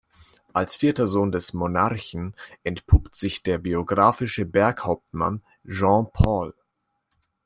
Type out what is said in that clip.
Als vierter Sohn des Monarchen entpuppt sich der biographische Berghauptmann Jean Paul.